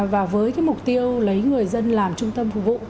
và với mục tiêu lấy người dân làm trung tâm phục vụ